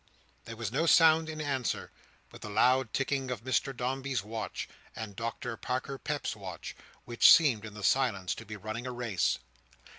There was no sound in answer but the loud ticking of Mr Dombey's watch and Doctor Parker Peps's watch, which seemed in the silence to be running a race.